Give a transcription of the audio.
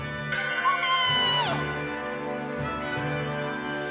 ごめん！